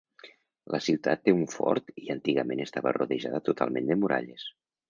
La ciutat té un fort i antigament estava rodejada totalment de muralles.